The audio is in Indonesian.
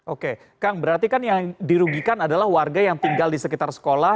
oke kang berarti kan yang dirugikan adalah warga yang tinggal di sekitar sekolah